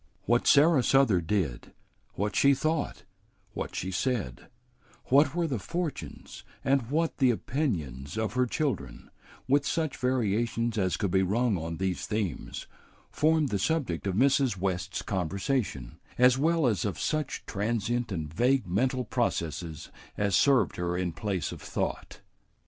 What Sarah Souther did, what she thought, what she said, what were the fortunes and what the opinions of her children, with such variations as could be rung on these themes, formed the subject of Mrs. West's conversation, as well as of such transient and vague mental processes as served her in place of thought.